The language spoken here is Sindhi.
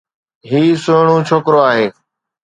هي سهڻو ڇوڪرو آهي